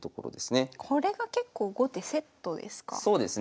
これが結構後手セットですか？